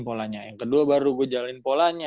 polanya yang kedua baru gue jalanin polanya